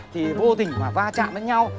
thì vô tình mà va chạm với nhau